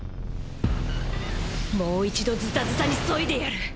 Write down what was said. もう一度ズタズタに削いでやる。